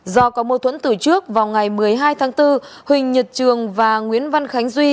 do có mâu thuẫn từ trước vào ngày một mươi hai tháng bốn huỳnh nhật trường và nguyễn văn khánh duy